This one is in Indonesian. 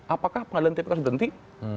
apakah pengadilan tipi korps ditentik